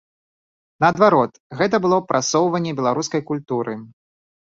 Наадварот, гэта было б прасоўванне беларускай культуры.